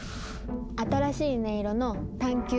新しい音色の探求！